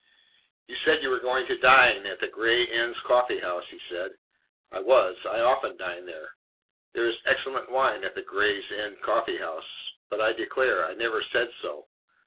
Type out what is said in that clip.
"You said you were going to dine at the 'Gray's Inn Coffee House,'" he said. I was. I often dine there. There is excellent wine at the "Gray's Inn Coffee House"; but I declare I NEVER SAID so.